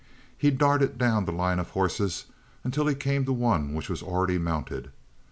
He darted down the line of horses until he came to one which was already mounted.